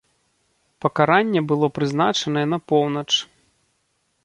Пакаранне было прызначанае на поўнач.